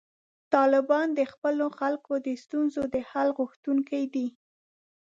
طالبان د خپلو خلکو د ستونزو د حل غوښتونکي دي.